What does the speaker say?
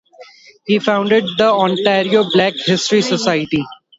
He founded the Ontario Black History Society.